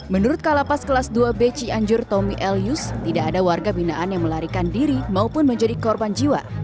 menurut kalapas kelas dua b cianjur tommy el yus tidak ada warga binaan yang melarikan diri maupun menjadi korban jiwa